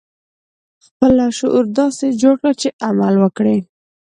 خپل لاشعور داسې جوړ کړئ چې عمل وکړي